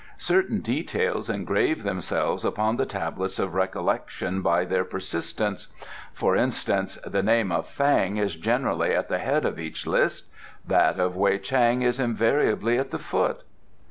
"Certain details engrave themselves upon the tablets of recollection by their persistence. For instance, the name of Fang is generally at the head of each list; that of Wei Chang is invariably at the foot."